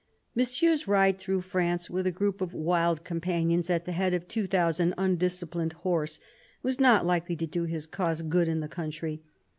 Monsieur's ride through France, with a group of wild companions, at the head of two thousand undisciplined horse, was not likely to do his cause good in the country.